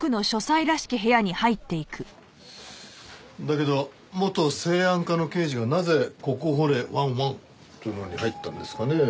だけど元生安課の刑事がなぜここ掘れワンワンっていうのに入ったんですかね？